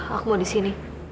aku mau di sini